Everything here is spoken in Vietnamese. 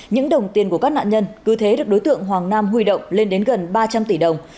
những đồng tiền của các nạn nhân cứ thế được đối tượng hoàng nam huy động lên đến gần ba trăm linh tỷ đồng